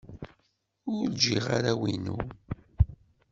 Ur jjiɣ arraw-inu.